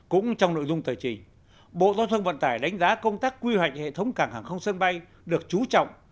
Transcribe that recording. cũng trong nội dung tờ trình bộ giao thông vận tải đánh giá công tác quy hoạch hệ thống cảng hàng không sân bay được chú trọng